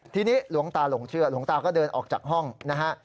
ทีนี้หลวงตาหลงเชื่อหลวงตาก็เดินออกจากห้องนะฮะ